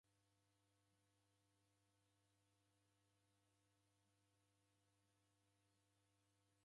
Mlungu ndooreumbieghe mndu wa w'omi ulow'uo w'aka w'engi.